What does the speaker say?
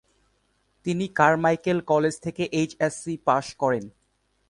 তিনি Carmichael College থেকে HSC pass করেন।